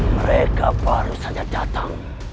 mereka baru saja datang